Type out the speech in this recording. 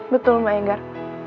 betul mbak enggar